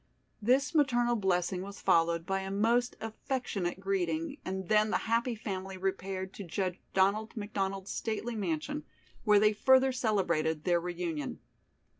This maternal blessing was followed by a most affectionate greeting and then the happy family repaired to Judge Donald McDonald's stately mansion where they further celebrated their reunion.